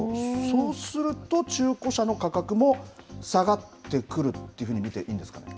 そうすると、中古車の価格も下がってくるっていうふうに見ていいんですか？